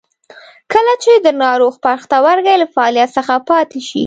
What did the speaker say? کله چې د ناروغ پښتورګي له فعالیت څخه پاتې شي.